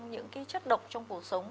những cái chất độc trong cuộc sống